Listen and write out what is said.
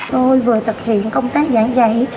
tôi vừa thực hiện công tác giảng dạy